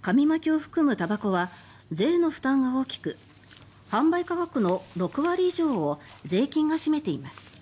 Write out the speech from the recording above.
紙巻きを含むたばこは税の負担が大きく販売価格の６割以上を税金が占めています。